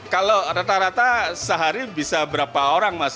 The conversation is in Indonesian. kalau rata rata sehari bisa berapa orang mas